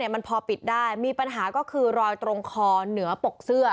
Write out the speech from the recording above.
มันพอปิดได้มีปัญหาก็คือรอยตรงคอเหนือปกเสื้อ